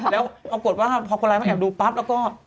แล้วปรากฏว่าพอคนร้ายมาแอบดูปั๊บแล้วก็